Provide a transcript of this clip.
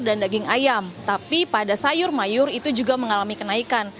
dan daging ayam tapi pada sayur mayur itu juga mengalami kenaikan